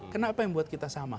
kenapa yang buat kita sama